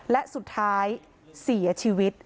และสุดท้ายเสียชีวิต